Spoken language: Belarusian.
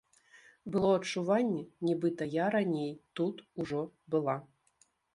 Было адчуванне, нібыта я раней тут ужо была.